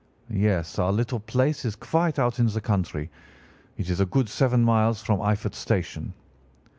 "'Yes, our little place is quite out in the country. It is a good seven miles from Eyford Station.